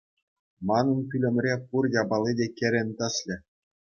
Манӑн пӳлӗмре пур япали те кӗрен тӗслӗ.